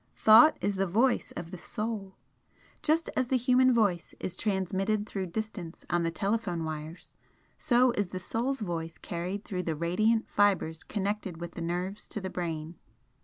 Thought is the voice of the Soul. Just as the human voice is transmitted through distance on the telephone wires, so is the Soul's voice carried through the radiant fibres connected with the nerves to the brain.